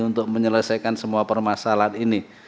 untuk menyelesaikan semua permasalahan ini